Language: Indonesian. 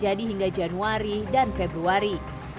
terjadi hingga januari dan februari